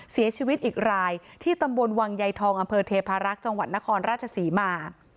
เสียชีวิตอีกรายที่ตำบลวังใยทองอำเภอเทพารักษ์จังหวัดนครราชศรีมา